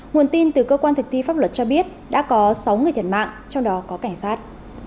nguồn tin từ cơ quan thực thi pháp luật cho biết đã có sáu người thiệt mạng trong đó có cảnh sát